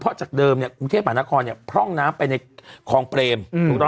เพราะจากเดิมกรุงเทพฯหมานาคอพร่องน้ำไปในคองเปรม